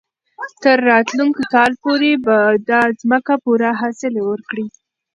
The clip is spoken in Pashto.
تر راتلونکي کال پورې به دا ځمکه پوره حاصل ورکړي.